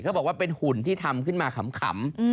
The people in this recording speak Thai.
เขาบอกว่าเป็นหุ่นที่ทำขึ้นมาขำ